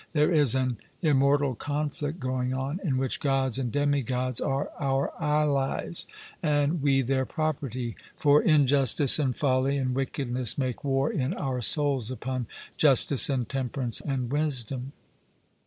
There is an immortal conflict going on, in which Gods and demigods are our allies, and we their property; for injustice and folly and wickedness make war in our souls upon justice and temperance and wisdom.